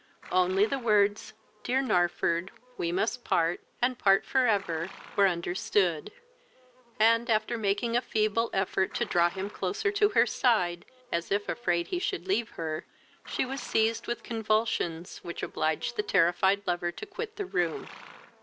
Only the words, "Dear Narford, we must part, and part for ever!" were understood; and, after making a feeble effort to draw him closer to her side, as if afraid he should leave her, she was seized with convulsions, which obliged the terrified lover to quit the room.